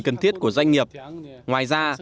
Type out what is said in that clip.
cần thiết của doanh nghiệp ngoài ra